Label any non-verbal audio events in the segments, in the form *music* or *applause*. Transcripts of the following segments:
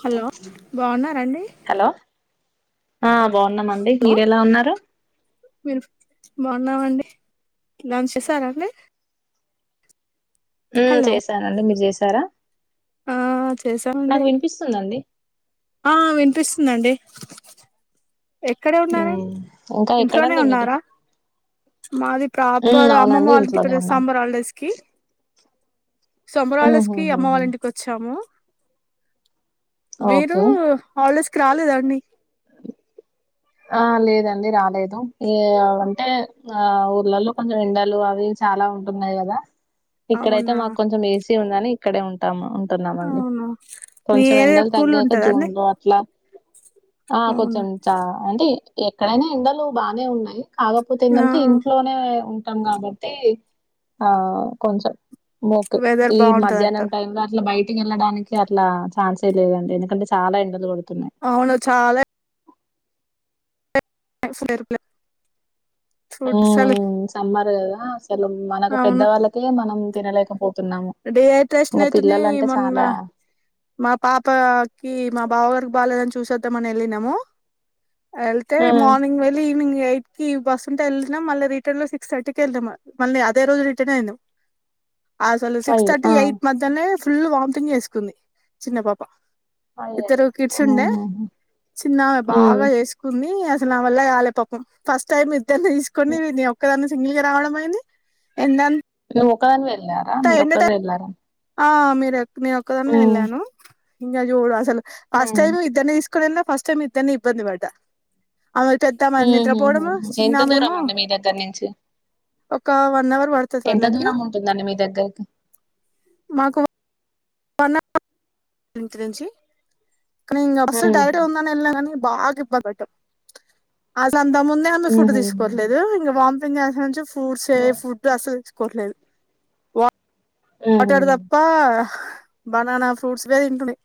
Hello బావున్నారండి hello ఆ బాగున్నామండి మీర ఎలా ఉన్నారు మీరు బాగున్నామండి లంచ్ చేసారండి హలో చేశానండి మీరు చేస సార ఆ చేశామండి ఆ వినిపిస్తుందండి ఎక్కడ ఉన్నారూ మ్మ్ ఇంకా ఇంట్లోనే ఎక్కడండి మీది ఉన్నారా మాది మ్మ్ ప్రాపర్ అమ్మమ్మ అవునండి వాలంటి ఇంట్లోనే త ఉన్నాం సాంబార్ హాలిడేస్ కి సమ్మర్ మ్మ్ హాలిడేస్ కి హ్మ్ అమ్మ వాళ్ళ హ్మ్ ఇంటికి వచ్చాము మీరు ఓకే హాలిడేస్ రాలేదాండి ఆ లేదండి రాలేదు ఏ అంటే ఆ ఊర్లల్లో కొంచెం ఎండలు అవి చాలా ఉంటున్నాయి కదా ఇక్కడయితే అవునా మాకు కొంచెం ఏసి ఉందని ఇక్కడే ఉంటాము ఉంటూన్నామండి అవును మీ కొంచెం ఏరియా ఎండలు కూల్ తగ్గాక జూన్ ఉంటదండి లో అట్లా ఆ అవును కొంచెం చా అంటే ఎక్కడైనా ఎండలు బానే ఉన్నాయి కాకపోతే ఆ ఏందం టే ఇంట్లోనే ఉంటాం కాబట్టి ఆ కొంచెం ఓకే వెదర్ ఈ బాగుంటది మధ్యాహ్నం అంటారు టైమ్ లో అట్లా బయట ఎళ్ళడానికి అట్లా చాన్సే లేదండి ఎందుకంటే చాలా ఎండలు కొడుత అవును చాలా యాక్సిడెంట్లే ఓ ఒ సమ్మర్ కదా అసలు మనకు పెద్ద అవును వాళ్ళకే మనం తినలేక పొ డిహైడ్రేషన్ అయితుంది మొన్న చాలా మా పాపకి మా బావగారికి బాగాలేదని చూసేద్దామని వెళ్ళినాము యేళ్తే ఆ! మార్నింగ్ వెళ్లి ఈవనింగ్ ఎయిట్ కి బస్ ఉంటే ఎల్లినం మళ్ళ రిటర్న్ లో సిక్స్ థర్టీ క వెదాం మళ్ళీ అదే రోజు రిటర్న్ అయినం అసలు సిక్స్ అయ్యో! థర్టీ ఆ! ఎయిట్ మధ్యనే ఫుల్ వామ్థింగ్ చేసుకుంది చిన్న పాప ఇద్దరు అయ్యయ్యో! కిడ్స్ ఉండే ఆహాహా! చిన్నామే బాగా హ్మ్. చేసుకుంది నా వల్ల కాలే పాపం ఫస్ట్ టైం ఇద్దర్ని తీసుకొనీ హ్మ్. నేనోక్కదా సింగిల్ గా రావడం అయింది ఎ నువ్ ఒక్కదానివేనా వెళ్ళారా మీరు ఒక్కరు వెళ్ళారా ఆ మీర నేను ఒక్కదాన్నే వెళ్ళాను ఇంగ జూడు అసలు ఫస్ట్ హ్మ్. టైం ఇద్దర్ని తీ క్కడ ఫస్ట్ టైం ఇద్దర్ని ఇబ్బంది పెట్టా ఆమె పెద్దామె నిద్రపోవడము హుహుహుహు. ఎంత దూరం చిన్నామేమొ అండి మీ దగ్గర నుంచి? ఒక వన్ అవర్ పడుతుంది ఎంత వాళ్ళకి దూరం ఉంటుందండి మీ దగ్గరకి ఎంత నుంచి అసలు టైట్ హుహు. గుందని వెళ్ళా కానీ బాగా ఇబ్బంది పడ్డం అసల్ ఇంగ అంతకు ముందే అమె ఫుడ్ హుహు. తీసుకోవట్లేదు ఇంగ వామ్ ఇంగ సంచేస్ ఫ్రూట్సే హ్మ్. ఫుడ్స్ అస్సలు కోట్లేదు వా హుహు. మాటడదప్పా బనానా ఫ్రూట్స్సే వే తింటున్ంది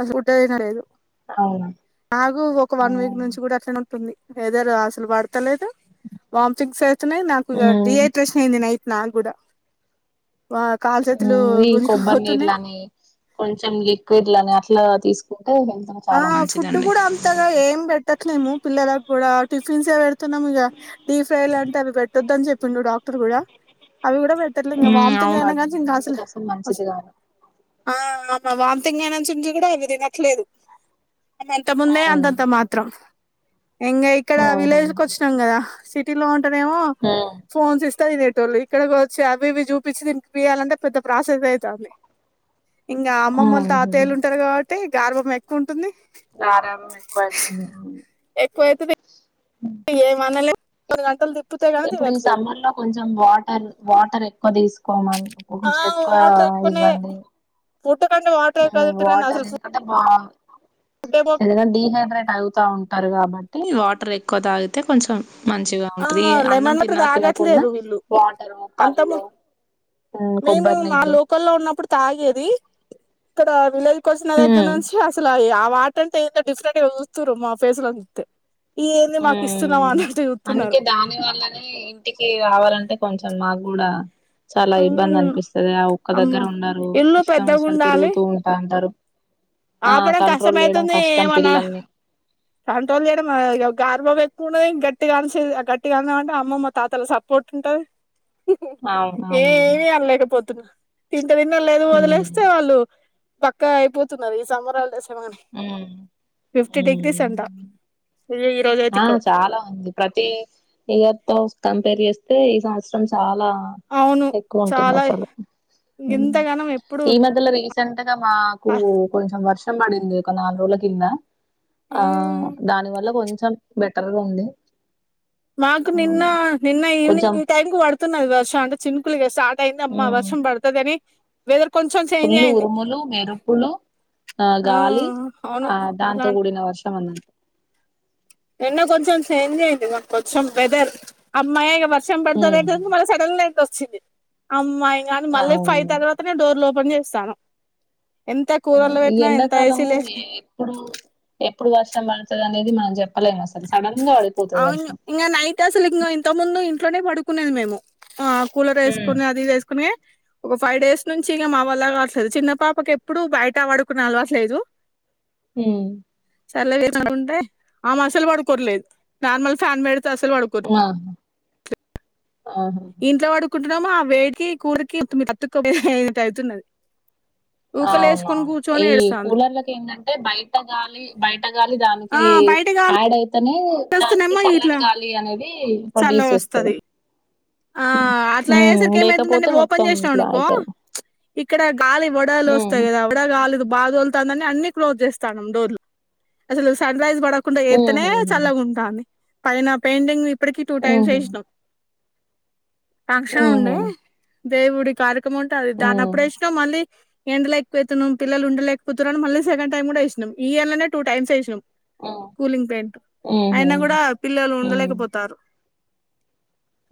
అసలు ఆ ఫుడ్డే తినలేదు అవునా! నాకూ ఒక వన్ వీక్ హ్మ్. నుంచి కూడా అట్లానే ఉంటుంది వెదర్ ఆసలు పడుత పడుత లేదు వామితింగ్స్ అవుతున్నాయి నాకు హ్మ్. డిహైడ్రేషన్ అయింది నైట్ నా కూడ వా ఇవి కొబ్బరి నీళ్లని కొంచెం లిక్విడ్లని అట్లా తీసుకు ఆ ఫుడ్ కూడా అంతగా ఏం పెట్టట్ పెట్లేము పిల్లలకు కూడా టిపీన్స్ పెడుతున్నమిగ దీ ఫ్రైలు అంటారు పెట్టొద్దని చెప్పిండు డాక్టర్ కూడా అవి కూడా పెడతర్లే ఇంగా హ్మ్. వామ్తింగ్ అవును. అది అయినాక ఇంకా అసలు హెల్త్‌కి మంచిది కాదు. ఆ ఆ ఆ వాంతింగ్ అయినుంచి కూడా అవి తినట్లేదు అది అంతకు ముందే హ్మ్. అంతంత మాత్రం ఇంగ ఇక్కడ హుహు. విలేజ్కి వచ్చినాం కదా సిటీ లోన్ ఉంటాదేమో హ్మ్. ఫోన్ సేస్ అంతాతినేటోల్లే ఇక్కడకి వచ్చి అవి ఇవి చూపించి తీనిపీయాలంటే పెద్ద ప్రాసెస్ అయితుంది ఇంకా అమ్మమ్మల్లు హుహు. తాతయ్యల్లు ఉంటారు కాబట్టి అంతె గార్వం అయి కొంటుంది గారాభం ఎక్కువ అయితుంది ఇగ ఏమనలేం కొన్నీ గంటలు తిప్పితే గాని ఇప్పుడు ఈ తినట్లేదు సమ్మర్ లో కొంచెం వాటర్ వాటర్ ఎక్కువ తీసుకు కొమాల్ ఆ కొంచెం ఎక్కువ వాటర్ ఎక్కువనే ఇవ్వండి పుట్టకంటే వాటర్ హు ఎక్కువ తింటారు కానీ వాటర్ అసలు ఎందుకంటే బా ఫుడ్ ఏమో ఏదైనా డీహైడ్రేట్ అవుతా ఉం ంటారు కాబట్టి వాటర్ ఎక్కువ తాగితే కొంచెం మంచిగా ఆ ఉంటుది అన్నం లెమన్ వాటర్ తిన్నా తినకుండా తాగట్లేరు వీళ్ళు వాటరు అంత పళ్ళు, మేము కొబ్బరి మా నీళ్ళు ఇక్కడా విలై వచ్చిన దగ్గర ఉమ్, నుంచి అసలు అయ్యా వాట్ అంత డిఫరెంట్గా చూస్త మా ఫేస్ లోంతే ఈ ఏంది మాకు ఇస్తున్నావా ఉమ్. అన్నట్టు చూస్తున్నారు అందుకే దాని వల్లనే ఇంటికి రావాలంటే కొం చెం మాగుడా చాలా ఇబ్బంది అనిపిస్తుంది ఆ ఉక్క అమ్మో దగ్గర అందరూ ఇల్లు ఇష్టం పెద్దగా వచ్చిన ఉండాలి తిరుగుతూ ఉంటా అంటారు ఆ ఆపడం కంట్రోల్ కష్టమ చేయడం అైతుంది కష్టం ఏమన్నా పిల్లల్ని కంట్రోల్ చేయడం య గార్బాబ ఎక్కువ ఉన్నది గట్టిగాని గట్టిగాని అంటే అమ్మమ్ మా తాతల సపోర్ట్ ఉంటది అవును ఏమి అనలేకపోతున్నా ఇ క్కన్న లేదు ఉమ్ వదిలేస్తే వాళ్ళు పక్క అయిపోత్ తున్నారు ఈ సమ్మర్ హాలిడేస్ న్నామ అని ఫిఫ్టీ డిగ్రీస్ ఉమ్ ఉంట ఆ చాలా ఉంది ప్రతి ఇయర్ త కంపేర్ చేస్తే ఈ సంవత్సరం చాలా లా అవును ఎక్కువ ఉంటుంది చాలా అసలు ఇంతగానం ఎప్పుడు ఈ మధ్యలో రీసెంట్ గా మాకు కొంచం వర్ష ర్షం పడింది ఒక నాలుగు రోజుల కింద ఆ దాని వల్ల కొం బెటర్గా ఉంది మాకు నిన్న హ్మ్. నిన్న కొంచెం ఈవినింగ్ ఈ టైం కు పడుతున్నది వర్షం అంటే చిన్నకులుగా స్ ర్ట అయిందమ్మ వర్షం పడతదీ అని బీ ఫుల్లు ఉరుములు మెరుపులు ఆ గాలి అవును ఆ దాంతో అలా కూడిన వర్షం అన్న ఎండ కొంచెం చేంజ్ అయ్యింది గా కొంచెం వెదర్ అమ్మాయా ఇగ వర్షం హ్మ్ పడుతుంది మళ్ళీ సడన్ గా అమ్మాయి కానీ మళ్ళీ ఫై అవును తర్వాతనే డోర్ లో కొజే చేస్తాను ఎంత కూలర్లు ఈ పెట్టినా ఎంత ఎండాకాలము ఏసీలు వేసినా ఎప్పుడు ఎప్పుడు వర్షం పడుతది అనేది మన చెప్ప అవును ఇంకా నైట్ాసులు ఇంత ముందు ఇట్లోనే పడుకునేది మేము కూలర్ హ్మ్ వేసుకొని అది ఇది వేసుకుొని ఒక ఫైవ్ డేస్ నుంచి ఇంక మా వాళ్ళ కా అవట్లేదు చిన్న పాపకి ఎప్పుడుూ బయట పడుకునె అలవాటు లేదు హు సల్లసుంటే అమే అస పడుకోవట్లేదు నార్మల్ ఫ్యాన్ పెడితే సలు పడుకోవ ఆహా ఆహా ఇంట్లో పాడు కుంటున్నాముో ఆ వేడికి కూరకి కతుకు ఏ అవుతున్నది ఊకలేసుకొని అవునవును కూర్చొని ఈ ఏడుస్తాంది కూలర్లకి ఏంటంటే బయట గాలి బయట అండగాలి ఆ దానికి బయట గాలి యాడ్ అయితేనే దానికి వస్తేనేమో ఇట్లా చల్లని గాలిీ అనేది చల్ల ప్రొడ్యూస్ చేస్తుంది వస్తది ఆ అట్లా అయ్యేసరికి ఏమైతుందండి లేకపోతే ఓపెన్ మొత్తం చేసినావు ఇట్లా అనుకో అయితది ఇక్కడ గాలి వడలు వస్తాయి హ్మ్ కథ వడ లాగాడు బాధోలుతాందని అన్ని క్లోజ్ చేస్తానుం డోర్లు అసలు స రైస్ పడకుండా హ్మ్ ఎత్త్తనే హు చల్లగుంటంది న పెయింటింగ్ వి ఇప్పటికి టూ హ్మ్ టైమ్స్ హు వేసినామ్ ఫంక్షన్ హ్మ్ ఉండే హు దేవుడి కారు క్క ఉంటుంది దా హ్మ్ అప్పుడుేసినామ మళ్ళీ ఎండలో ఎక్కుపోతున్నా పిల్లు ఉండలేకపోతున్నా మళ్ళని సెకండ్ టైం కూడా వేసినామ్ ఈయలనే టూ టైమ్స్ వేసినామ్ కూలింగ్ పెయింట్ హ్మ్ హు అయినా కూడా పిల్లలు హ్మ్ ఉండలేకపోతారు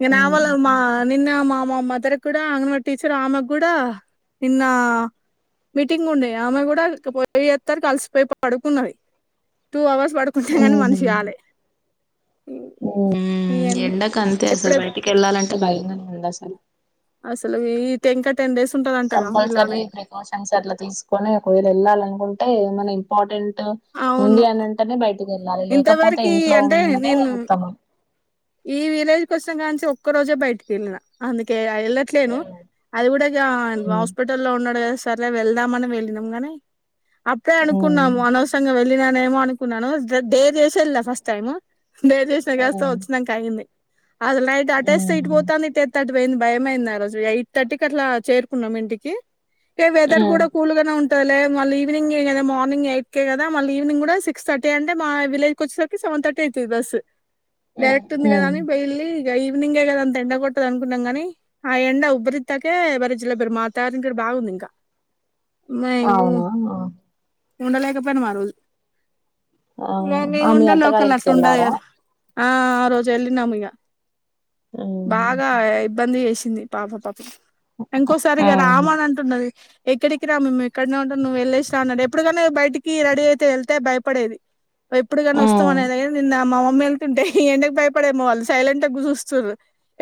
ఇ ఉహు నవలమ్మా నిన్న మా మా మదర్ కూడా ఆంగనవాడి టీచర్ ఆమెకు కూడా నిన్న మీటింగ్ ఉండే ఆమె కూడా పోయిత్తరు ఆలిసిపోయి పడుకున్నది టూ అవర్స్ పడుకున్నది కానీ మనిషి కాలే ఉ ఎండ కంతే అసలు ఎప్పుడె బయటికి వెళ్లాలంటే భయమైతుంది ఏంది అసలు అసలు ఈ టెంక కంపల్సరీ ప్రికాషన్ అట్ల తీసుకొని ఒకవేళ వెళ్లాలనుకుంటే టె ఏమన్నా ఇంపార్టెంట్ ఉంది అవును అనంటనే బయ క వెళ్ళాలి లేకపోతే ఇంతవరకి ఇంట్లో అంటే ఉన్నదే నేను ఉత్తమం ఈ విలేజ్ కొచ్చిన కానుంచి ఒక్క రోజే బయటికి వెళ్ళిన అందుకే వెళ్ళట్లేను అది కూడా ఇగ ఉమ్ హాస్పిటల్ లో ఉన్నాడు కదా సర్లే వెళ్దామని వెళ్ళినాం గానీ అప్పుడే ఉమ్ అనుకున్నాము అనవసరంగా వెళ్లిన ఏమో అనుకున్నాను దే దే *unintelligible* ఫస్ట్ టైమ్ ఉమ్ *unintelligible* *unintelligible* అది నైటు అటేస్తే ఉమ్ ఇటు పోతుంది ఈటెస్తే అటు పోతుంది పోయింది భయమైంది ఆ రోజు ఎయిట్ థర్టీకి అట్లా చేరుకున్నాం ఇంటికి ఏ వెదర్ ఉమ్ కూడా కూల్ గానే ఉంట లే మళ్ళీ ఈవినింగ్ ఏదా మార్నింగ్ ఎట్ కదా మళ్ళ ఈవినింగ్ కూడా సిక్స్ థర్టీ అంటే మా విలేజ్కి వచ్చేసరికి సెవెన్ థర్టీ అవుతుంది బస్ ఉమ్ డైరెక్ట్ ఉంది కదా ఉమ్ అని పోయింది ఇంక ఈవినింగే కదా అంత ఎండ కొట్టదు అనుకున్నాం కాని ఆ ఎండ ఉబ్బరిత్తాకే ఎవరిజల పరు మాత ఇంటారు బాగుంది ఇంకా అవునా ఆ ఉండలేకపోయినం ఆరోజు ఆ ఆ మీ అత్తగారి ఇంటికి ఉండదు వెళ్ళారా కదా ఆ ఆ రోజు వెళ్ళనము ఇగ ఉమ్ బాగా ఇబ్బంది చేసి తింది పాప పాపం ఇంకోసారిగ ఉమ్ రాము అని అంటున్నది ఎక్కడికి రాము మేము ఇక్కడనే ఉంటం నువ్వు వెళ్లేసి రా అన్నాడు ఎప్పుడుకనే బయటికి రెడీ అయితే వేళ్తే భయపడేది ఎప్పుడు కానీ వస్తాం ఉమ్ అనేది ఏంది నమామ మేం ఉంటే ఈ ఎండకు భయపడే మవాళ్ళు సైలెంట్ గా చూస్తుర్రు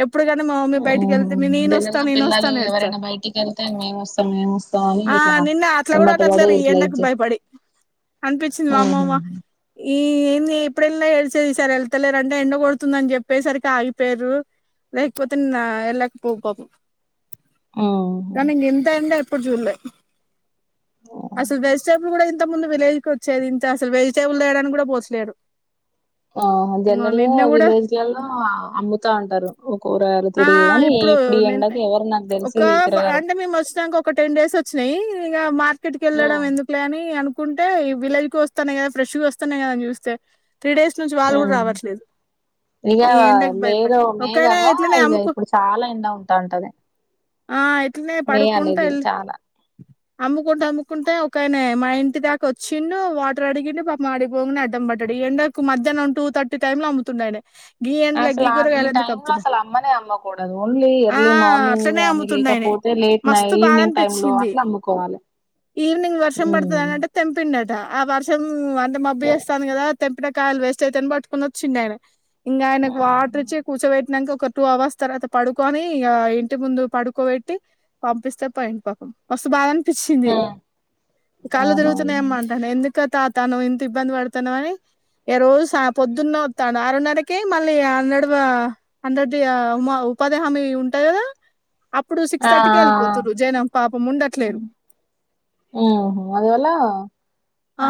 ఇప్పుడు కాని మా మమ్మీ బయటకి వెళ్తే నేనొస్తా జనరల్గా నేనొస్తా పిల్లలు అనేస్తారు ఎవరైనా బయటికి వెళ్తే మేము వస్తాం మేము వస్తాం అని ఆ ఇట్లా నిన్న అట్లా కూడా ఎమ్మట పడి అన్నట్లేదు ఈ ఇట్లా ఎండకు ఇది భయపడి అనిపించింది వా అమ్మే ఉహు వా ఈ ఏంది ఏప్రిల్ లో ఏసేది ఈసారి ఎల్ అత్తలేరంటే ఎండ కొడుతుందని చెప్పేసరికి ఆగిపోయరు లేకపోతే వెళ్ళకపో పాబు కాని ఇంత ఎండ ఏ ఎప్పుడు జూల్లే అసలు వెజిటేబుల్ కూడా ఇంత ముందు విలేజ్ కి వచ్చేది ఇంత అసలు వెజిటేబుల్ తేడానికి కూడా పోసలేడు ఆ జనరల్ గా విలేజ్ లలో అమ్ముతా ఉంటారు ఓ కూరగాయలు ఆ తిరిగి గాని ఇప్పుడు ఈ నిన్న ఎండకి ఎవరు నాకు ఒక తెలిసి తిరగరు ఇగ మా ఇక్కటికి కెళ్ళడం ఎందుకులే అని అను కుంటే ఈ విలేజ్ కు వస్తన్నాయ ఫ్రెష్ గా వస్తన్నాయా అని చూస్తే త్రీ డేస్ నుంచి వాళ్ళ కూడా ఉమ్ రావ ఇక మే లో మే ఒకవేళ కదా ఇట్లనే ఇగ అమ్ముకు ఇప్పుడు చాలా ఎండ ఉంటా ఉంటది ఆ ఇట్లనే మే పడుకుంటా అనేది ఎల్ చాలా అమ్ముకుంటూ అమ్ముకుంటే ఒకనే మా ఇంటి దాకా వచ్చిండు వాటర్ అడిగిండు పాపం ఆడికి పోగనే అడ్డం పడ్డాడు ఎండ కు మధ్యాహ్నం టూ థ ఈ టైం లో అమ్ముతున్నాడే అసలు ఆ ఈ టైం లో అసలు అమ్మనే అమ్మకూడదు ఓన్లీ ఆ ఎర్లీ మార్నింగ్ అట్లనే గాని అమ్ముతుండు ఆయనే లేకపోతే లేట్ నై మస్తు బాధ ఈవినింగ్ టైం లో అనిపించింది అట్లా అమ్ముకోవాలి ఈవినింగ్ వర్షం పడుతది అని అంటే తెంపిండట ఆ వర్షం అంటే మబ్బి చేేస్తాంది కదా తెంపిన కాయలు వేస్ట్ అవుతాయని పట్ ప్ప చిన్నాయన ఇంగ అయనకి వాటర్ ఇచ్చి కూచోబె నక ఒక టూ అవర్స్ తర్వాత పడుకొని ఇంటి ముందు పడుకోబెట్టి పంపిస్తే పోయిండు పాపం మస్తు బాధని కపించింది కళ్ళు అవునవును తిరుగుతున్నాయమ్మ అంటాడు ఎందుక తాతా నువ్ ఇంత ఇబ్బంది పడతనవ్ అని ఏ రోజు షా పొద్దున్న వత్తాను ఆరున్నరకే మళ్ళ హండ్రెడ్ హండ్రెడ్ ఉ ఉపాథిహామీ ఉంటాది కదా అప్పుడు సిక్స్ ఆ థర్టీకి ఆ వెళ్ళిపోతుర్రు జనం పాపం ఉండట్లేరు అదివాల ఆ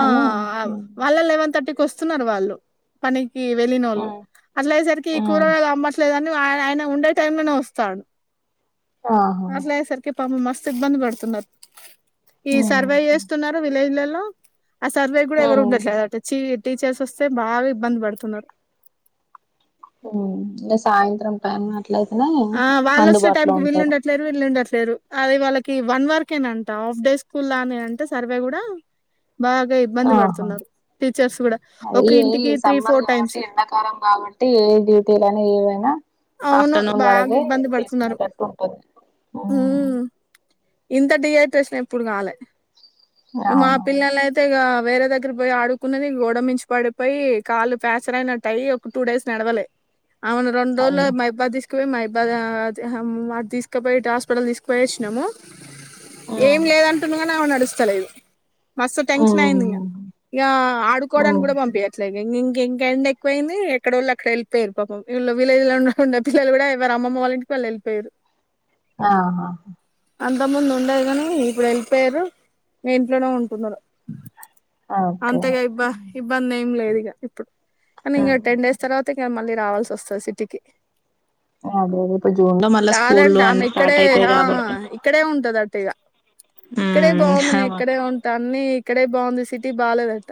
వాళ్ళ లెవెన్ థర్టీ వస్తున్నారు వాళ్ళు పని ఈ వెళ్లినోళ్ళు అట్లైసరికి కూరగాయలమ్మట్లేదని ఆ ఆయన ఉండే టైంలోనే వస్తాడు ఆహా అట్లైసరికే పాపం మస్తు ఇబ్బంది పడుతున్నారు ఈ సర్వే చేస్తున్నారు విలేజ్ లలో హలో ఆ సర్వే కూడా ఎవరు ఉండట్లేద చీ టీచర్స్ వస్తే బాగా ఇబ్బంది పడుతున్నారు హ్మ్ సాయంత్రం టన్ మా ఆ వాళ్ళ వచ్చిన టైంకి వీళ్ళుండట్లేరు వీల్లుు రు అది వాళ్ళకి వన్ వర్కేనంట హాఫ్ డే స్కూల్ ని అంటే సర్వే కూడా బాగా ఇబ్బంది ఆహా పడుతున్నారు టీచర్స్ కూడా ఒక ఇ ఇ ఇంటికి త్రీ సమ్మర్ ఫోర్ కాబట్టి టైమ్స్ ఎండాకాలం కాబట్టి ఏ డ్యూటీలైనా ఏవైనా అవును ఆఫ్టర్నూన్ బాగా వరకు ఇబ్బంది పడుతున్నారు తిసుకునేటట్టు ఉంటుంది ఉమ్, ఇంత డిహైడ్రేషన్ ఎప్పుడు రాలె మా అవును పిల్లలైతే ఇగ వేరే దగ్గర పోయి ఆడుకున్నది గోడ మించి పడిపోయి కాళ్ళు ప్యాచర్ అయినట్టుాయి ఒక టూ డేస్ నడవలే అవును అయ్యో మై పదిస్ మైపది తీసుకుపోయి హాస్పిటల్ తీసుకుపోయి వచ్చినాము ఏం ఉమ్, లేదంటు నువ్వు కానీ ఆమె నడుస్తస్తా లేదు మస్తు టెన్షన్ ఉమ్, అయింది ఇంగ ఇంగ ఆడుకోవడానికి ఉమ్. కూడా పంపయ్ ట్లేదు ఇం ఇంక ఇంకా ఎండా ఎక్కువయింది ఎక్కడోళ్లు అక్కడ వెళ్ళపోయారు పాపం విలేజ్ లో ఉండకుండా పిల్లలు కూడా ఎవారు అమ్మమ్మ వాళ్ళంటికిళ్ళు వెళ్ళిపోయారు ఆహా అంత ముందు ఉండేది కాని ఇప్పుడు వెళ్ళిపోయారు మీ ఇంట్లోనే ఉంటున్నారు ఓకే అంతేగా ఇబ్బ ఇబ్బంది ఏం లేదు ఇక ఇప్పుడు కానీ ఇంకా ఉమ్. టెన్ డేస్ తర్వాత ఇంకా మళ్ళీ రావాల్సి వ స్ సిటీకి అదే రేపు జూన్ లో మళ్ళా రాదంటే స్కూళ్లు ఆమె అన్ని స్టార్ట్ ఇక్కడే అయితయి ఆ కాబట్టి ఇక్కడే ఉంటదట ఇక ఇక్కడే ఉమ్, బాగుంది న హా, ఇక్కడే ఉంటా అన్ని ఇక్కడే బాగుంది సిటీ బాలేదంట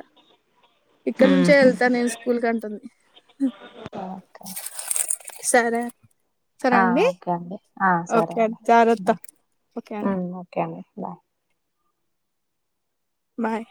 ఇక్కడ నుంచే ఉమ్. వెళ్తా నేను స్కూల్ కి అంటుంది ఓకే సరే సరే ఆ అండి ఓకే అండి ఆ సరే ఓకే అండి జాగ్రత్త బా ఓకే అండి ఓకే అండి బాయ్ బాయ్